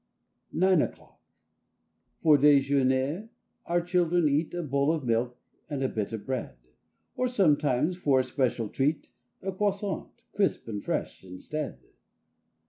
9 NINE O'CLOCK F or dejemier our children eat A bowl of milk and bit of bread; Or sometimes, for a special treat, A croissant, crisp and fresh, instead.